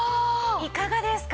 いかがですか？